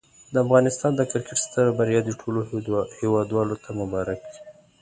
د افغانستان د کرکټ ستره بریا دي ټولو هېوادوالو ته مبارک وي.